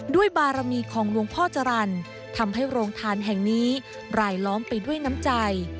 บารมีของหลวงพ่อจรรย์ทำให้โรงทานแห่งนี้รายล้อมไปด้วยน้ำใจ